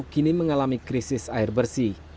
kini mengalami krisis air bersih